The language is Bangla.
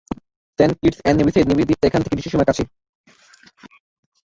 সেন্ট কিটস অ্যান্ড নেভিসের নেভিস দ্বীপটা এখান থেকেই দৃষ্টিসীমার সবচেয়ে কাছে।